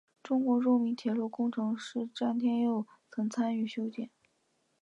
中国著名铁路工程师詹天佑曾参与修建。